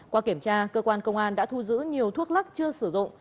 qua kiểm tra cơ quan công an đã thu giữ nhiều thuốc lắc chưa sử dụng